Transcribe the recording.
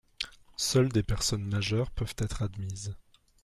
Seules des personnes majeures peuvent être admises.